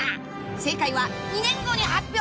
［正解は２年後に発表！］